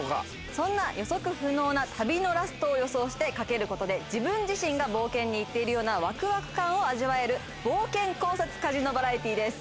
そんな予測不能な旅のラストを予想して賭けることで、自分自身が冒険に行っているようなワクワク感を味わえる冒険考察カジノバラエティーです。